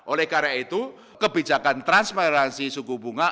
oleh karena itu kebijakan transparansi suku bunga